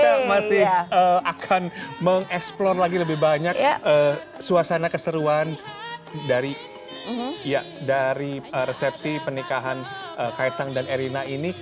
kita masih akan mengeksplor lagi lebih banyak suasana keseruan dari resepsi pernikahan kaisang dan erina ini